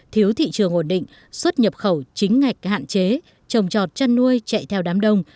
thiếu thị trường ổn định xuất nhập khẩu chính ngạch hạn chế trồng trọt chăn nuôi chạy theo đám đông